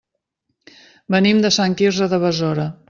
Venim de Sant Quirze de Besora.